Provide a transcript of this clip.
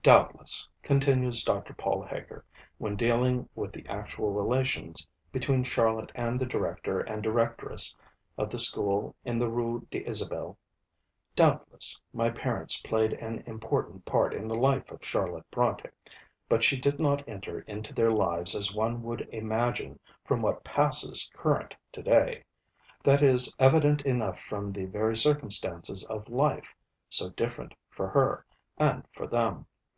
'Doubtless,' continues Dr. Paul Heger, when dealing with the actual relations between Charlotte and the Director and Directress of the school in the Rue d'Isabelle, 'Doubtless, my parents played an important part in the life of Charlotte Brontë: but she did not enter into their lives as one would imagine from what passes current to day. That is evident enough from the very circumstances of life, so different for her, and for them.